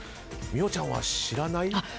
美桜ちゃんは知らない？